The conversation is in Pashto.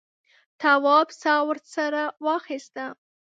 تواب سا ورسره واخیسته.